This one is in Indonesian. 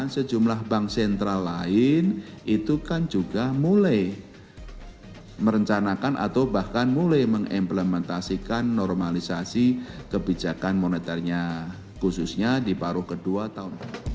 sejumlah bank sentral lain itu kan juga mulai merencanakan atau bahkan mulai mengimplementasikan normalisasi kebijakan monetarnya khususnya di paruh kedua tahun